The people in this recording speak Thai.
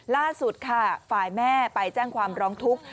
ล่าสุดค่ะฝ่ายแม่ไปแจ้งความร้องทุกข์